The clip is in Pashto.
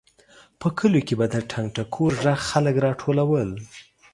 په کلیو کې به د ټنګ ټکور غږ خلک راټولول.